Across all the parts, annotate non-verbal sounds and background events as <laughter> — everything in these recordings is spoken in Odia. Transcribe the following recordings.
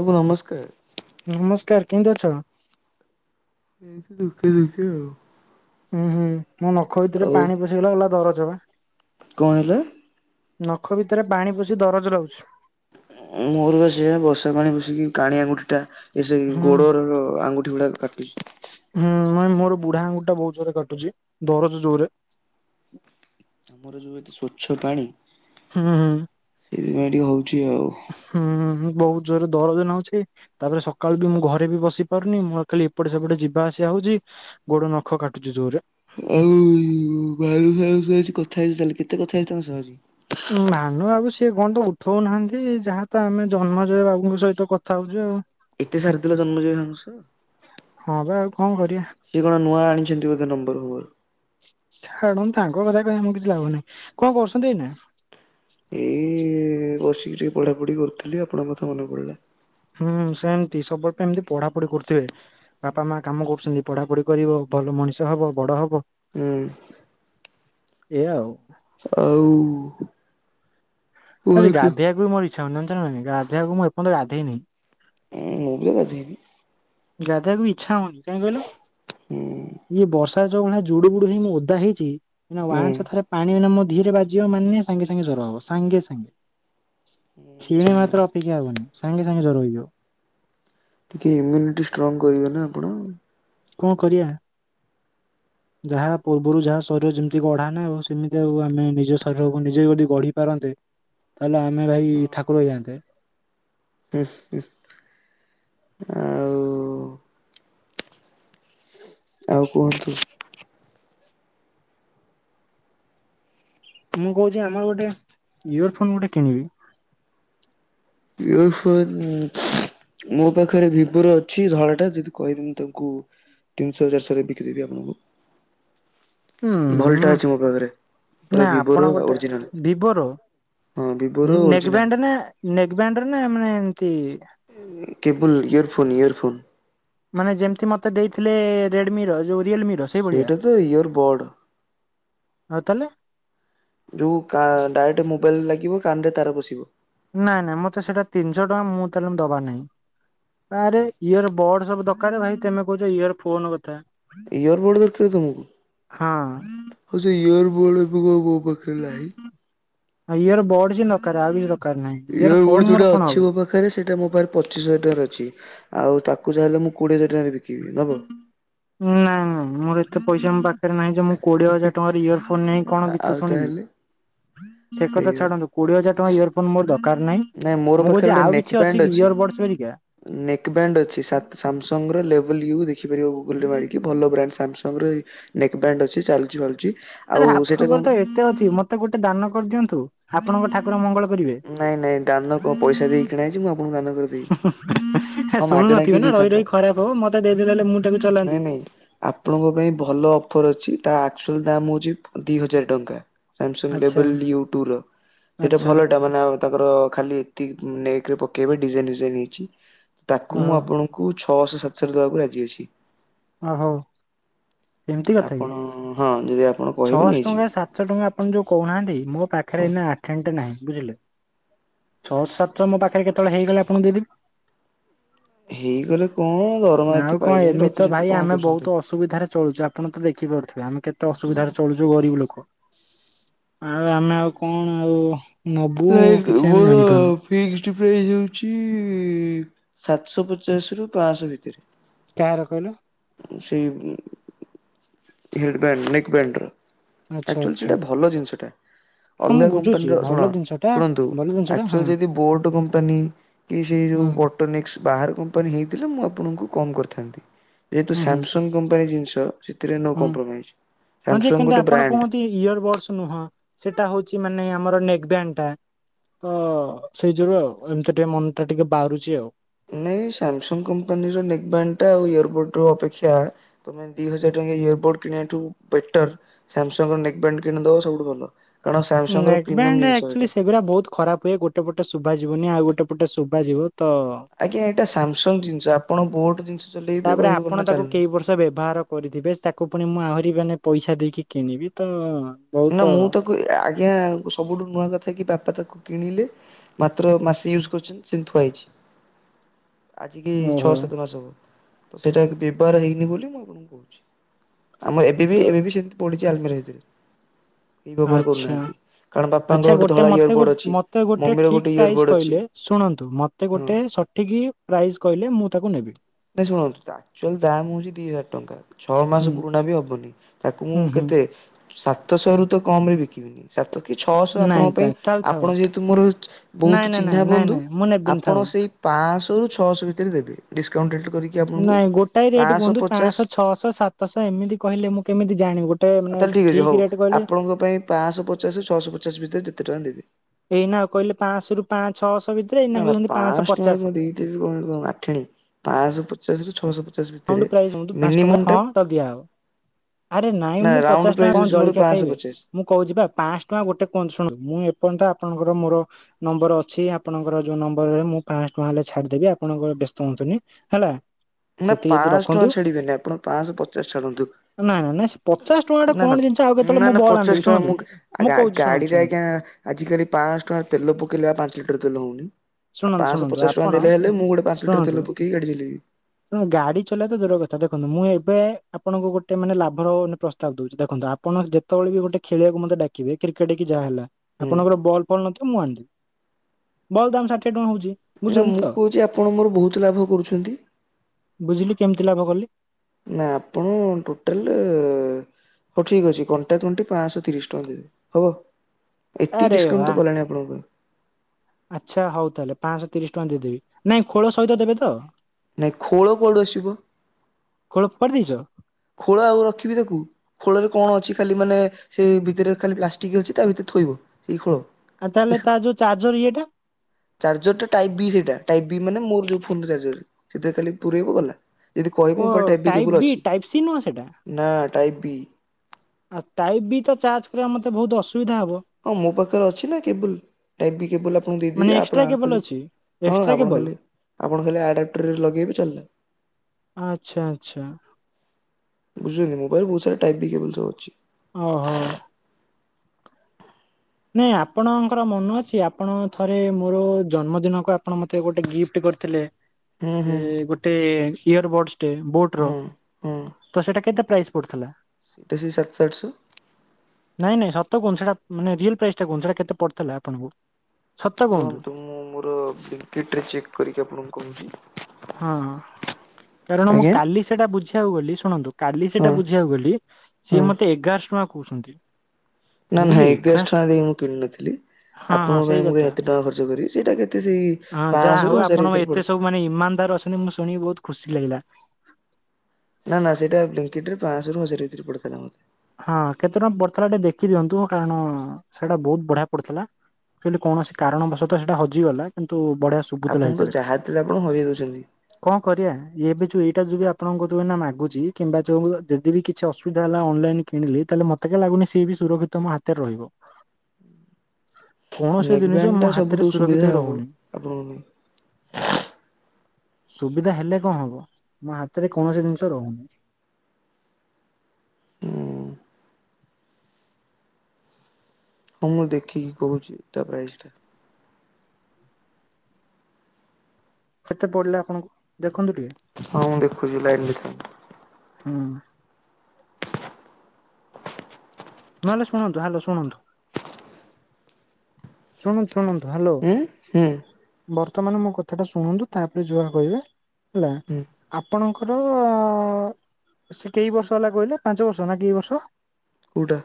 ମାଡ଼ାମ ନମସ୍କାର। ନମସ୍କାର କେମିତି ଅଛ? ଏମତି ଦୁଃଖେ ଦୁଃଖେ ଆଉ। ହୁଁ ହୁଁ ମୋ ନଖ ଭିତରେ ଆଉ ପାଣି ପଶିଗଲା ଗଲା ଦରଜ ହେଲା। କଣ ହେଲା? ନଖ ଭିତରେ ପାଣି ପଷି ଦରଜ ରହୁଛି। ମୋର ପା ସେଇଆ ବର୍ଷା ପାଣି ପସିକି କାଣି ଆଙ୍ଗୁଠିଟା ଏ ହୁଁ ଗୋଡର ଆଙ୍ଗୁଠି ଗୁଡାକ କାଟୁଚି। ହୁଁ ମାନେ ମୋର ବୁଢା ଆଙ୍ଗୁୁଳିଠା ବହୁତ ଜୋରେ କାଟୁଚି ଧରଜ ଜୋରେ। ଆମର ଯୋଉ ଏଠି ସ୍ଵଚ୍ଛ ପାଣି। ହୁଁ। ଏଠି ହଉ ହଁ ବହୁତ। ଜୋରରେ ଦରଜ ଲାଗୁଚି ତାପରେ ସକାଳୁ ବି ମୁଁ ଘରେ ବି ବସି ପାରୁନି ମୁଁ ଖାଲି ଏପଟେ ସେପଟେ ଯିବା ଆସିବା ହଉଚି। ଗୋଡ ନଖ କାଟୁଚି ଜୋରେ। ଆଉ <unintelligible> କଥା ହେଇଛି ତାଲେ କେତେ କଥା ହେଇଚୁ କାଲି କେତେ କଥା ହେଇଚ <unintelligible> ଉଁ ଭାନୁ ବାବୁ ସିଏ ଫୋନତ ଉଠଉ ନାହାନ୍ତି ଯାହାତ ଆମେ ଜନ୍ମଜୟ ବାବୁଙ୍କ ସହିତ କଥା ହେଉଛୁ ଆଉ। ଏତେ ସାରିଥିଲ ଜନ୍ମଜୟ ବାବୁଙ୍କ ସହ ହଁ ବା ଆଉ କଣ କରିବା ସିଏ କଣ ନୂଆ ଆଣିଛନ୍ତି। ଏକ ନମ୍ବର ଫମ୍ବର ଛାଡନ୍ତୁ ତାଙ୍କ କଥା କହି ଆମକୁ କିଛି ଲାଭ ନାହିଁ କଣ କରୁଛନ୍ତି ଏଇନା? ଏଇ ବସିକି ଟିକେ ପଢାପଢି କରୁଥିଲି ଆପଣଙ୍କ କଥା ମନେ ପଡିଲା। ହୁଁ ସେମତି ସବୁବେଳେ ପାଇଁ ଏମିତି ପଢାପଢି କରୁଥିବେ ବାପା ମା କାମ କରୁଛନ୍ତି। ପଢ଼ାପଢ଼ି କରିବ ଭଲ ମଣିଷ ହେବ ବଡ଼ ହେବ। ହୁଁ। ଏଇଆ ଆଉ। ଆଉ ଆଜି କୁହନ୍ତୁ। ଗାଧେଇ ବାକୁ ବି ମୋର ଇଛା ହଉନି ଜାଣିଛନ୍ତି ନା ନାହିଁ ଗାଧେଇ ବାକୁ ମୁଁ ଏର୍ଯ୍ୟନ୍ତ ଗଧେଇନି। ହୁଁ ମୁବି ଗାଧେଇନି। ଗାଧେଇବାକୁ ବି ଇଚ୍ଛା ହଉନି କାହିଁକି କହିଲ। ହୁଁ ଇଏ ବର୍ଷା ଯୋଉ ଭଳିଆ ଯୁଡ଼ୁବୁଡୁ ହେଇ ମୁଁ ଓଦା ହେଇଛି ଏନା ହୁଁ। ୱାଁନସ ଥରେ ପାଣି ହେଲେ ମ ଧୀରେ ବାଜିବ ମାନେ ସାଙ୍ଗେ ସାଙ୍ଗେ ଜ୍ୱର ହବ ସାଙ୍ଗେ ସାଙ୍ଗେ। ଖିଣେ ମାତ୍ର ଅପେକ୍ଷା ହବନି ସାଙ୍ଗେ ସାଙ୍ଗେ ଜର ହେଇଯିବ। ଟିକେ ଇମ୍ୟୁନିଟି ଷ୍ଟ୍ରଙ୍ଗ କରିବେ ନା ଆପଣ। କଣ କରିବା ଯାହା ପୂର୍ବରୁ ଯାହା ଶରୀର ଯେମିତି ଗଢା ନା ଆଉ ସେମିତି ଆଉ ଆମେ ନିଜ ଶରୀରକୁ ନିଜେ ଯଦି ଗଢି ପାରନ୍ତେ ତାହେଲେ ଆମେ ଭାଇ ଠାକୁର ହେଇଯାନ୍ତେ। ଇସ ଇସ ଆଉ ଆଉ କୁହନ୍ତୁ? ମୁଁ କୋହୁଚି ଆମର ଗୋଟେ ଇୟର ଫୋନ ଗୋଟେ କିଣିବି। ଇଅର ଫୋନ୍ <inaudible> ମୋ ପାଖରେ ଭିବୋର ଅଛି ଧଳା ଟା ଯଦି କହିବି ମୁଁ ତାକୁ ତିନିଶ ଚାରିଶରେ ବିକିଦେବି ଆପଣଙ୍କୁ। ହୁଁ ଭଲଟା ନା ଅଛି ମୋ ପାଖରେ ପୁରା ନା ଭିବୋର ଆପଣ ଗୋଟେ ଓରିଜିନାଲ। ଭିବୋର? ହଁ ଭିବୋର ହୁଁ ନେଗ ଓରିଜିନାଲ ବ୍ୟାଣ୍ଡ ନା ନେଗ ବ୍ୟାଣ୍ଡ ନା ମାନେ ଏମତି କେବୁଲ ଇୟରଫୋନ୍ ଇୟରଫୋନ୍। ମାନେ ଯେମିତି ମତେ ଦେଇଥିଲେ ରେଡମିର ଯୋଉ ରିଅଲମି ର ସେଇଭଳିଆ ସେଇଟା ତ ଇୟରବଡ। ଆଉ ତାହାଲେ। ଯୋଉ କା ଡାଇରେକ୍ଟ ମୋବାଇଲ ଲାଗିବ କାନରେ ତାର ପଶିବ। ନାଇଁ ନାଇଁ ମତେ ସେଟା ତିନିଶ ଟଙ୍କା। ମୁଁ ତାହଲେ ଦବା ନାହିଁ। ଆରେ ଇୟର ବଡ ସବୁ ଦରକାର ଭାଇ, ତେମେ କୋହୁଚ ଇୟର ଫୋନ କଥା। ଇୟର ବୋଡ ଦରକାର ତମକୁ ହଁ ହୋଉ ସେଇ ୟର୍ <unintelligible> ମୋ ପାଖରେ ନାହିଁ। ହଁ ଇୟର ବୋର୍ଡସି ଦରକାର ଆଉ କିଛି ଦ ୟିର ବୋର୍ଡ଼ ଯୋଉଟା ଅଛି ମୋ ପାଖରେ ସେଇଟା ମୋ ପାଖରେ ପଚିଶ ହଜର ଟାଙ୍କାର ଅଛି। ଆଉ ତାକୁ ତାଙ୍କୁ ଯାହାହେଲେ ମୁଁ କୋଡିଏ ହଜାର ଟଙ୍କାରେ ବିକିବି ନବ? ନାଇଁ ମୋର ତେ ପଇସା ମୋ ପା ପାଖରେ ନାଇଁ ଯେ ମୁଁ କୋଡିଏ ହଜାର ଟଙ୍କାର ଇୟର ଫୋନ ନେଇକି କଣ ଗୀତ ଆଉ ଶୁଣିବି। ତାହେଲେ <inaudible> ସେ ସେଇ କଥା ଛାଡନ୍ତୁ କୋଡିଏ ହଜାର ଟଙ୍କା ଇୟର ଫୋନ ମୋର ଦ ନାଇଁ ମୋର ପାଖରେ ଗୋଟେ ନେକ୍ ବ୍ୟାଣ୍ଡ କି ଅଛି। ଇୟର ବଡସ୍ ହେରିକା ନେକ୍ ବ୍ୟାଣ୍ଡ ଅଛି ସାତ୍ ସାମସଙ୍ଗ ର ଲେବଲ୍ ୟୁ ଦେଖିପାରିବ ଗୁ ଗୁଲି ମାରିକି ଭଲ ବ୍ରାଣ୍ଡ ସାମସଙ୍ଗର ଏଇ ନେକ୍ ବ୍ରାଣ୍ଡ ଅଛି ଚାଲୁଚି ଫାଲୁଚି। ଆରେ ଆପଣଙ୍କର ତ ଏତେ ଅଛି ମତେ ଗୋଟେ ଦାନ କରିଦିଅନ୍ତୁ। ଆପଣଙ୍କ ଠାକୁର ମଙ୍ଗଳ କରିବେ ନାଇଁ ନାଇଁ ଦାନ କଣ ପଇସା ଦେଇକି କିଣାହେଇଚି ମୁଁ ଆପଣଙ୍କୁ ଦାନ କରିଦେବି। ହଁ ମାଗଣା ଶୁଣୁନଥିବେ କିଏ ନା ଦେ ରହି ଇଥାନ୍ତା। ରହି ଖରାପ ହବ ମତେ ଦେଇଦେଲେ ହେଲେ ମୁଁ ତାକୁ ଚଲାନ୍ତି ନାଇଁ ନାଇଁ ଆପଣଙ୍କ ପାଇଁ ଭଲ ଅଫର୍ ଅଛି। ତା ଆକ୍ଚୁଲି ଦାମ୍ ହୋଉଚି ଦିଇ ହଜାର ଟଙ୍କା। ସ୍ୟାମସଙ୍ଗ ଆଚ୍ଛା ଲେବେଲ୍ ୟୁ ଟୁର ସେଇଟା ଆଚ୍ଛା ଭଲ ଟ ଆଉ ତାଙ୍କର ଖାଲି ଏତିକି ନେକ୍ ରେ ପକେଇବେ ଡିଜାଇନ ବିଜାଇନ୍ ହେଇଚି। ତାକୁ ମୁଁ ଓହୋ ଆପଣଙ୍କୁ ଛଅଶ ସାତଶରେ ଦବାକୁ ରାଜି ଅଛି। ଆ ହୋଉ। ଆପଣ ହଁ ଯଦି ଆପ୍ ଛଅଶ ଟଙ୍କା ସାତଶ ଟଙ୍କା ଆପଣ ଯୋଉ କୋହୁନାହାନ୍ତି। ମୋ ପାଖରେ ହଁ ଏଇନା ଆଠେଣି ନାହିଁ ବୁଝିଲେ ଛଅଶ ସାତଶ ମୋ ପାଖରେ କେତେବେଳେ ହେଇଗଲେ ଆପଣଙ୍କୁ ଦେଇଦେବି। ହେଇଗଲା କଣ ଦରମା ନା ଏତେ ଆଉ କଣ ପାଇଲେଣି ଏମିତି ରଖିଛନ୍ତି ଭାଇ କଣ ଆମେ କରୁଛନ୍ତି ବୋହୁତ ତାକୁ। ଅସୁବିଧାରେ ଚଳୁଚୁ। ଆପଣ ତ ଦେଖିପାରୁଥିବେ ଆମେ କେତେ ଅସୁବିଧାରେଛୁ ଚଳୁଚୁ ଗରିବ ଲୋକ। ଆଉ ଆମେ ଆଉ କଣ ଆଉ ନବୁ ନାଇଁ କିଛି ଆମେ ମୋର ଜାଣିପାରୁନୁ। ଫିକ୍ସ ଟିପି ହେଇଯାଉଚି ସାତଶ ପଚାଶ ରୁ ପାଂଶ ଭିତରେ। କାହାର କହିଲ? ସେଇ ଉଁ ହେଡ୍ ବ୍ୟାଣ୍ଡ ନେକ୍ ବ୍ୟାଣ୍ଡର। ଆଚ୍ଛା ଆକ୍ଚୁଲି ଆଚ୍ଛା ସେଇଟା ଭଲ ଜିନିଷଟା। ହଁ ମୁଁ ଅଲଗା ବୁଝୁଛି କପାନୀର ଭଲ ଶୁଣ ଜିନିଷ ଟା ଶୁଣନ୍ତୁ ଭଲ ଜିନିଷ ଟା ହଁ ଅକ୍ଚୁଲି ଯଦି ବୋଟ କମ୍ପାନୀ କି ସେଇ ହୁଁ ଯୋଉ ବଟୋନିକ୍ସ ବାହାର କପାନୀ ହେଇଥିଲେ ମୁଁ ଆପଣ ଙ୍କୁ କମ କରିଥାନ୍ତି ଯେହେତୁ ହୁଁ ହୁଁ ସାମସଂଗ କପାନୀ ଜିନିଷ ସେଥିରେ ନୋ ହୁଁ କମ୍ପ୍ରମାଇଜ୍। ହ ଯେ ସାମସଙ୍ଗ କିନ୍ତୁ ଗୋଟେ ଆପଣ ବ୍ରାଣ୍ଡ। କୁହନ୍ତି ଇୟର ବଡସ ନୁହଁ ସେଇଟା ହଉଛି ଚି ମାନେ ଆମର ନେକେ ବ୍ୟାଙ୍କ ଟା ତ ସେଇ ଯୋରୁ ଆଉ ଏମିତି ଟିକେ ମନ ଟା ଟିକେ ବାହାରୁଛି ଆଉ ନାଇଁ ସାମସଙ୍ଗ କମ୍ପାନୀର ନେକ୍ ବଣ୍ଡ ଟା ଆ ଇୟର ବୋଡ ଅପେକ୍ଷାେ ଦି ହଜାର ଟଙ୍କ ଇୟର ବୋଡ କିଣିବାଠୁ ବେଟର ସାମସଙ୍ଗ ର ନେକ୍ ବଣ୍ଡ କିଣିଦବା ସବୁଠୁ ଭଲ କାରଣ ସାମସଙ୍ଗ ର ନେକ୍ ପ୍ରିମିୟମ ବ୍ୟାଣ୍ଡ ଜିନିଷ ଏଇଟା। ଆକ୍ଚୁଆଲି ସେଗୁରା ବହୁତ ଖରାପ ହୁଏ ଗୋଟେ ପଟେ ଶୁଭାଯିବନି ଆଉ ଗୋଟେ ପଟେ ଶୁଭାଯିବ ତ ଆଜ୍ଞା ଏଇଟା ସାମସଙ୍ଗ ଜିନିଷ ଆପଣ ବୋଟ ଜିନିଷ ଚଲେଇବେ ତାପରେ କହିବେ ଆପଣ କନା ତାକୁ ଚାଲୁନି କେଇ ବର୍ଷ ବ୍ୟବହାର କରିଥିବେ ତାକୁ ପୁଣି ମୁଁ ଆହୁରି ମାନେ ପଇସା ଦେଇକି କିଣିବି ତ ନା ମୁଁ ବହୁତ ତାକୁ ଆ ଆଜ୍ଞା ସବୁଠୁ ନୂଆ କଥା କି ବାପା ତାକୁ କିଣିଲେ ମାତ୍ର ମାସେ ୟୁଜ୍ କରୁଛନ୍ତି ସେମିତି ଥୁଆ ହେଇଛି। <inaudible> ଆଜି କି ଛଅ ଓହୋ ସାତ ମାସ ହବ ତ ସେଇଟା ବ୍ୟବହାର ହେଇନି ବୋଲି ମୁଁ ଆପଣଙ୍କୁ କହୁଛି। ଆମର ଏବେ ବି ତ ଏବେ ବି ସେମିତି ପଡିଛି ଆଲମିର ଭିଥିରେ ଆଚ୍ଛା! କାରଣ ବାପାଙ୍କର ଆଚ୍ଛା! ଗୋଟେ ଧଳା ଇୟର ମୋତେ ବଡ ଅଛି ମତେ ଗୋଟେ ମମିର ଠିକ ଇୟର ପ୍ରାଇସ୍ ବଡ ଅଛି କହିଲେ? ଶୁଣନ୍ତୁ ମୋତେ ହଁ। ଗୋଟେ ସଠିକ୍ ପ୍ରାଇଜ କହିଲେ ମୁଁ ତାକୁ ନେବି। ଶୁଣନ୍ତୁ ଏକ୍ଟୁଆଲ ଦାମ ହଉଛି ଦି ହଜାର ଟଙ୍କା। ଛଅ ହୁଁ ମାସ ପୁରୁଣା ବି ହବନି ତାକୁ ମୁଁ ହୁଁ କେ ହୁଁ ତେ ସାତଶହ ରୁ ତ କମରେ ବିକିବିନି ସାତ କି ଛଅଶହ ନାଇଁ ଆପଣଙ୍କ ତା ପାଇଁ ଚାଲ ଥାଉ ଆପଣ ଯେହେତୁ ମୋର ନାଇଁ ବହୁତ ନାଇଁ ନାଇଁ ଚିହ୍ନା ନାଇଁ ବନ୍ଧୁ ନାଇଁ ମୁଁ ନେବିନି ଥାଉ ଆପଣ ସେଇ ପାଆଶହ ର ଛଅଶହ ଭିତରେ ଦେବେ ଡିସକାଉ ନାଇଁ ଗୋଟାଏ ରେଟ୍ କୁହନ୍ତୁ ପାଞ୍ଚଶହ, ଛଅଶହ, ସାତଶହ ଏମିତି କହିଲେ ମୁଁ କେମିତି ଜାଣିବି ଗୋଟେ ମାନେ ତାହେଲେ ଠିକ୍ ଅଛି ଠିକ ହଉ ରେଟ୍ କହିଲେ ଆପଣଙ୍କ ପାଇଁ ପାଞ୍ଚଶହ ପଚାଶରୁ ଛଅଶହ ପଚାଶ ଭିତରେ ଯେତେ ଟଙ୍କା ଦେବି। ଏଇନାଉ କହିଲେ ପାଞ୍ଚଶହ ରୁ ପା ଛଅଶହ ଭିତରେ ଏଇନା ଆ କହୁଛନ୍ତି ପାଞ୍ଚଶହ ଟଙ୍କାରେ ପଚାଶ କଣ ଦେଇଦବି କଣ ଆଠେଣୀ। ପାଞ୍ଚଶହ ପଚାଶ ରୁ ଛଅଶହ ପଚାଶ ହ ଭିତରେ ଡୂ ପ୍ରାୟଜି ହୁଅନ୍ତୁ ପାଞ୍ଚ ଟଙ୍କା ମିନିମମ୍ ଟା ହଁ, ଦିଆହବ। ଆରେ ନାଇଁ ନା ମୁଁ ରାଉଣ୍ଡ ପଚାଶ ଟଙ୍କା ପ୍ରାଇସ୍ କଣ ହଉଛି ମୋର ଜଳଖିଆ ପାଞ୍ଚଶହ ଖାଇବେ, ପଚାଶ ମୁଁ କହୁଛି ବା ପାଞ୍ଚଶହ ଟଙ୍କା ଗୋଟେ କୁହନ୍ତୁ ଶୁଣନ୍ତୁ ମୁଁ ଏପର୍ଯ୍ୟନ୍ତ ଆପଣଙ୍କର ମୋର ନମ୍ବର ଅଛି ଆପଣଙ୍କର ଯୋଉ ନମ୍ବରରେ ମୁଁ ପାଅ ଶହ ନହେଲେ ଛାଡିଦେବି ଆପଣଙ୍କ ବ୍ୟସ୍ତ ହୁଅନ୍ତୁନି ହେଲା ନା ସେତିକି ଯଦି ପାଆଶହ ରଖନ୍ତୁ ଟଙ୍କା ଛାଡିବେନି ଆପଣ ପାଆଶହ ପଚାଶ ଛାଡନ୍ତୁ। ନା ନା ନା ସେ ପଚାଶ ଟଙ୍କା ଟା ନା, କଣ ନା, ଜିନିଷ ଆଉ କେତେବେଳେ ନା, ମୁଁ ନା, ବଲ୍ ଆଣିଦେବି ପଚାଶ ଟଙ୍କା ଶୁଣନ୍ତୁ। ମୁଁ ଗା ମୁଁ ଗା କହୁଛି ଶୁଣନ୍ତୁ ଗାଡିରେ ଶୁଣନ୍ତୁ ଆଜ୍ଞା! ଆଜିକାଲି ପାଆଶହ ଟଙ୍କାର ତେଲ ପକେଇଲେ ବା ପାଞ୍ଚ ଲିଟର ତେଲ ହଉନି। ଆଉ ଶୁଣନ୍ତୁ ପାଞ୍ଚଶହ ଶୁଣନ୍ତୁ ପଚାଶ ଟଙ୍କା ଆପଣ ଦେଲେ ହେଲେ ମୁଁ ଗୋଟେ ପାଞ୍ଚ ଲିଟର ତେଲ ପକେଇକି ଗାଡ଼ି ଚଳେଇବି। ତେଣୁ ଗାଡି ଚଲେଇବା ତ ଦୂର କଥା ଦେଖନ୍ତୁ ମୁଁ ଏବେ ଆପଣଙ୍କୁ ଗୋଟେ ମାନେ ଲାଭର ମାନେ ପ୍ରସ୍ତାବ ଦଉଛି ଦେଖନ୍ତୁ ଆ ଆପଣ ଯେତେବେଳେ ବି ଗୋଟେ ଖେଳିବାକୁ ମତେ ଡ଼ାକିବେ କ୍ରିକେଟ୍ କି ଯାହା ହେଲା ହୁଁ ଆପଣଙ୍କର ବଲ୍ ଫଲ ନଥିବ ମୁଁ ଆଣିଦେବି। ବଲ୍ ଦାମ ଷାଠିଏ ଟଙ୍କା ହଉଛି। ନା, ବୁଝୁଛନ୍ତି ମୁଁ ତ କହୁଛି ଆପଣ ମୋର ବହୁତ ଲାଭ କରୁଛନ୍ତି। ବୁଝିଲି କେମିତି ଲାଭ କଲି? ନା, ଆପଣ ଟୋଟାଲ ହଉ ଠିକ ଅଛି କଣ୍ଟା କଣ୍ଟି ପାଞ୍ଚଶହ ତିରିଶି ଟଙ୍କା ଦେବେ ହବ। ଏତିକି ଆରେ ବା ଡିସକାଉଣ୍ଟ ତ କଲାଣି ଆପଣଙ୍କ ପାଇଁ। ଆଚ୍ଛା ହଉ ତାହେଲେ ପାଞ୍ଚଶହ ତିରିଶ ଟଙ୍କା ଦେଇଦେବି ନାଇଁ ଖୋଳ ସହିତ ଦେବେ ତ? ନାଇଁ ଖୋଳ କୁଆଡୁ ଆସିବ? ଖୋଳ ଫୋପାଡି ଦେଇଛ ଖୋଳ ଆଉ ରଖିବି ତାକୁ। ଖୋଳରେ କଣ ଅଛି ଖାଲି ମାନେ ସେ ଭିତରେ ଖାଲି ପ୍ଲାଷ୍ଟିକ ଅଛି ତା ଭିତରେ ଥୋଇବ। ସେଇ ଖୋଳ ଆଉ ତାହେଲେ ତା ଯୋଉ ଚାର୍ଜର ଇଏଟା ଚାର୍ଜର ଟା ଟାଇପ ବି ସେଇଟା ଟାଇପ୍ ବି ମାନେ ମୋର ଯଉ ଫୋନ୍ ର ଚାର୍ଜର ସେଥିରେ ଖାଲି ପୁରେଇବ ଗଲା ଯଦି କହିବ ମୋ ପାଖରେ ଟାଇପ ବି କେବୁଲ ଅଛି। ତି ନୁଆ ସେଟା ନା ଟାଇପ୍ ବି ଆଉ ଟାଇପ୍ ବି ତ ଚାର୍ଜ କରିବା ମୋତେ ବହୁତ୍ ଅସୁ ହଁ, ମୋ ପାଖରେ ଅଛି ନା କେବୁଲ ଟାଇପ୍ ବି କେବୁଲ ଆପଣଙ୍କୁ ମାନେ ଦେଇଦେବି ଏକ୍ସଟ୍ରା ଆପଣ କେବଲ ଖାଲି ଅଛି ହଁ, ଏକ୍ସଟ୍ରା ଆପଣ କେବଲ ଖାଲି ଆପଣ ଖାଲି ଆଡପ୍ଟରରେ ଲଗେଇବେ ଚାଲିଲା। ଆଚ୍ଛା! ଆଚ୍ଛା! ବୁଝିଲି ମୋ ପାଖରେ ବହୁତ ସାରା ଟାଇପ ବି କେବୁଲ ସବୁ ଅଛି। ଓହୋ! ନାଇଁ ଆପଣଙ୍କର ମନ ଅଛି ଆପଣ ଥରେ ମୋର ଜନ୍ମଦିନକୁ ଆପଣ ମୋତେ ଗୋଟେ ଗିଫ୍ଟ କରିଥିଲେ। ହୁଁ ଏ ହୁଁ ଗୋଟେ ଇୟର ବୋର୍ଟସ୍ ଟେ ବୋଟର ହଁ ହଁ। ତ ସେଇଟା କେତେ ପ୍ରାଇସ ପଡ଼ିଥିଲା। ସେଇଟା ସେଇ ସାତଶହ ଆଠଶହ। ନାଇଁ ନାଇଁ ସତ କୁହନ୍ତୁ ସେଟା ମାନେ ରିଏଲ ପ୍ରାଇସ୍ ଟା କୁହନ୍ତୁ କେତେ ପଡିଥିଲା ଆପଣଙ୍କୁ? ସତ କୁହନ୍ତୁ। ରୁହନ୍ତୁ ମୁଁ ମୋର ବିଗେଟରେ ଚେକ୍ କରିକି ଆପଣଙ୍କୁ କହୁଛି। ହଁ, ହଁ କାରଣ ମୁଁ ଆଜ୍ଞା କାଲି ସେଟା ବୁଝିବାକୁ ଗଲି ଶୁଣନ୍ତୁ କାଲି ହଁ ସେଟା ବୁଝିବାକୁ ଗଲି ହଁ ସିଏ ମତେ ଏଗାରଶହ ଟଙ୍କା କହୁଛନ୍ତି। ନା, ନା ଏଗାରଶହ ଟଙ୍କା ଦେଇ ମୁଁ କିଣିନଥିଲି। ହଁ ହଁ ଆପଣଙ୍କ ସେଇ ପାଇଁ ମୁଁ କଥା। ଏତେ ଟଙ୍କା ଖର୍ଚ୍ଚ କରିବି ସେଇଟା କେତେ ସେଇ ହଁ ପାଞ୍ଚଶହ ର ହଜାର ଭିତରେ ପଡି ଶୁଣି ମୁ ଶୁଣିକି ବହୁତ ଖୁସି ଲାଗିଲା। ନା, ନା ସେଟା ବ୍ଲିଙ୍କିଟ ରେ ପାଞ୍ଚ ଶହ ରୁ ହଜାରେ ଭିତରେ ପଡିଥିଲା ମତେ। ହଁ କେତେ ଟଙ୍କା ପଡିଥିଲା ଟିକେ ଦେଖି ଦିଅନ୍ତୁ, କାରଣ ସେଇଟା ବହୁତ ବଢିଆ ପଡିଥିଲା। ଚୁଆଲି କୌଣସି କାରଣବଶତଃ ସେଇଟା ହଜିଗଲା କିନ୍ତୁ ବଢିଆ ସୁବୁଥିଲା ଆପଣ ତ ସେତିରେ, ଯାହା ଦେଲେ ଆପଣ ହରେଇ ଦଉଛନ୍ତି। କଣ କରିବା ଏବେ ଯୋଉ ଏ ଏଟା ଯଉ ଆପଣଙ୍କ ଟୁ ମାଗୁଛି କିମ୍ବା ଯଦି ବି କିଛି ଅସୁବିଧା ହେଲା ଅନଲାଇନ କିଣିଲି ତାହେଲେ ମତେ କେ ଲାଗୁନି ସିଏ ବି ସୁରକ୍ଷିତ ମମ ହାତରେ ରହିବ। କୌଣସି ନେକ୍ ଜିନିଷ ବ୍ୟାଣ୍ଡଟା ମୋ ସବୁଠୁ ହାତରେ ସୁବିଧା ସୁରକ୍ଷିତ ହୋଇ ହବ ରହୁନି। ଆପଣଙ୍କ ପାଇଁ। ସୁବିଧା ହେଲେ କଣ ହବ, ମୋ ହାତରେ କୌଣସି ଜିନିଷ ରହୁନି। ହୁଁ ହଁ ମୁଁ ଦେଖିକି କହୁଛି ତା ପ୍ରାଇସ ଟା। କେତେ ପଡିଲେ ଆପଣଙ୍କୁ ଦେଖ ହଁ, ମୁଁ ଦେଖୁଛି ଲାଇନ ଥା। ହୁଁ ନହେଲେ ଶୁଣନ୍ତୁ, ହ୍ୟାଲୋ ଶୁଣନ୍ତୁ। ଶୁଣନ୍ତୁ, ଶୁଣନ୍ତୁ ହ୍ୟାଲୋ। ଉଁ ହୁଁ ବର୍ଥ ତ ମାନ ମୋ କଥାଟା ଶୁଣନ୍ତୁ ତାପରେ ଯହା କହିବେ ହେଲା, ହୁଁ ଆପଣଙ୍କ ଆର ସେ କେଇ ବର୍ଷ ହେଲା କହିଲେ? ପାଞ୍ଚ ବର୍ଷ ନା କେଇ ବର୍ଷ? କଉଟା?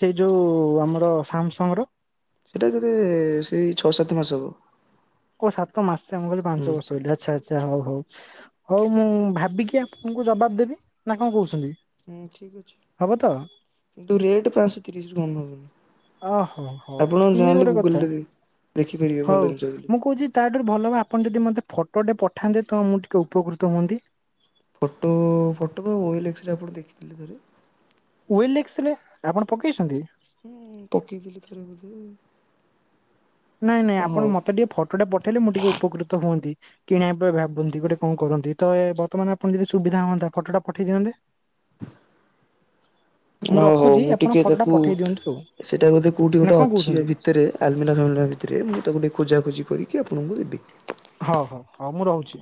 ସେଇ ଯୋଉ ଆମର ସାମସଙ୍ଗ ର ସେଟା କେତେ ସେଇ ଛଅ ସାତ ମାସ ହବ। ଉ ସାତ ମାସ ଆ ମୁଁ କହିଲ ହୁଁ। ପାଞ୍ଚ ବର୍ଷ ଆଚ୍ଛା, ଆଚ୍ଛା ହଉ। ହଉ, ହଉ ମୁଁ ଭାବିକି ଆପଣଙ୍କୁ ଜବାବ ଦେବି ନା କଣ କହୁଛନ୍ତି? ହୁଁ, ଠିକ ଅଛି ହବ ତ କିନ୍ତୁ ରେଟ ପାଞ୍ଚଶହ ତିରିଶ କମ ହବନି। ଓହୋ, ହୋ ଆପଣ ଇଏ ଚାହିଁଲେ ଗୋଟେ କଥା। ଗୁଗଲରେ ଦେ ଦେଖିପାରିବେ ଭଲ ହଉ, ଜିନିଷ ବୋଲି ମୁଁ କହୁଛି ତାଠାରୁ ଭଲ ହ ଆପଣ ଯଦି ମତେ ଫ ଫଟୋ ପଠାନ୍ତେ ତ ମୁଁ ଟିକେ ଉପକୃତ ହୁଅନ୍ତି। ଫଟୋ, ଫଟୋ ପା ଓ ଏଲ୍ ଏକ୍ସ ଆପଣ ଦେଖିଥିଲେ କାଲି। ଓ ଏଲ ଏକ୍ସ ଆପଣ ପକାଇଛନ୍ତି। ହୁଁ ପକିଥିଲି ଥରେ ବୋଧେ ନାଇଁ, ନାଇଁ ହଁ ଆପଣ ହଉ ମତେ ଟିକେ ଫଟୋ ଟା ପଠେଇଲେ ମୁଁ ଟିକେ ଉପକୃତ ହୁଅନ୍ତି। କିଣିବା ପାଇଁ ଭାବନ୍ତି, ଗୋଟେ କଣ କରନ୍ତି, ତ ବର୍ତ୍ତମାନ ଆପଣ ଯଦି ସୁବିଧା ହୁଅନ୍ତା ଫଟୋଟା ପଠେଇ ଦିଅନ୍ତେ। ମୁଁ ହଉ ହଉ ରଖୁଛି ଆପଣ ଟିକେ ଫଟୋ ଟା ତାକୁ ପଠେଇ ଦିଅନ୍ତୁ ଆଉ। ସେଇଟା ବୁଦେ କଉଠି ନା ଗୋଟେ କଣ ଅଛି କହୁଛନ୍ତି ଭିତରେ ଆଲମେର ଫାଲମିରା ଭିତରେ। ସେଥିରେ ମୁଁ ତାକୁ ଟିକେ ଖୋଜାଖୋଜି କରିକି ଆପଣଙ୍କୁ ଦେବି। ହଁ, ହଁ, ହଉ ମୁଁ ରହୁଛି।